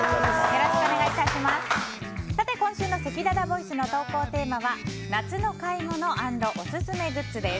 今週のせきららボイスの投稿テーマは夏の買い物＆オススメグッズです。